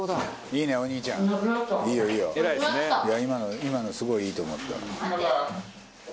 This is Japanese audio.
今のすごいいいと思った」